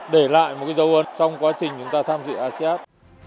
để lại một dấu ơn trong quá trình chúng ta tham dự asean